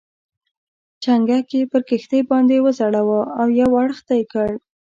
چنګک یې پر کښتۍ باندې وځړاوه او یو اړخ ته یې کړ.